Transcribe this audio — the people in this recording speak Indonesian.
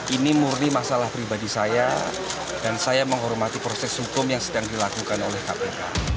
ini murni masalah pribadi saya dan saya menghormati proses hukum yang sedang dilakukan oleh kpk